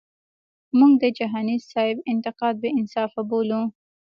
مونږ د جهانی سیب انتقاد بی انصافه بولو.